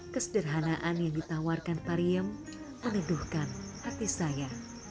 kesederhanaan yang ditawarkan pariem menuduhkan hati saya